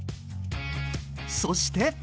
そして。